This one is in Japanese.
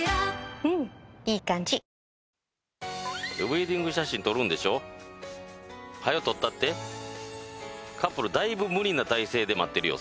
ウェディング写真撮るんでしょ？はよ撮ったってカップルだいぶ無理な体勢で待ってるよ